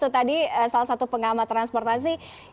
tadi salah satu pengamat transportasi